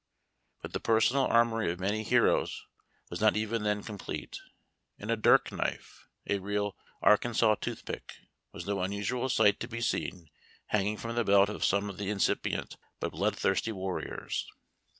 But the personal armory of many heroes was not even then complete, and a dirk knife — a real " Arkan saw toothpick" — was no unusual sight to be seen hanging from the belt of some of the incipient but blood thirsty warriors.